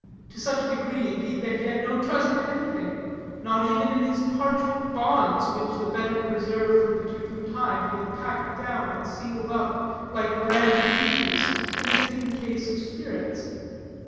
To such a degree, indeed, that he had no trust in anything, not even in his parchment bonds, which, the better to preserve from the tooth of time, he had packed down and sealed up, like brandy peaches, in a tin case of spirits.